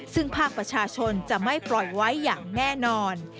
ซึ่งภาคประชาชนจะไม่ปล่อยไว้อย่างแน่นอน